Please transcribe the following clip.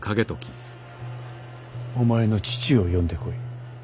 お前の父を呼んでこい。